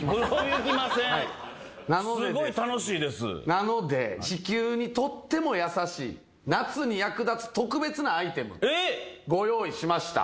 なので地球にとっても優しい夏に役立つ特別なアイテムご用意しました。